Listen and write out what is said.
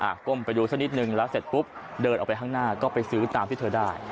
ก้มไปดูสักนิดนึงแล้วเสร็จปุ๊บเดินออกไปข้างหน้าก็ไปซื้อตามที่เธอได้